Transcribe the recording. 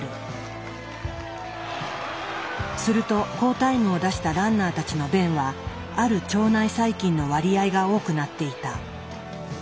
すると好タイムを出したランナーたちの便はある腸内細菌の割合が多くなっていた。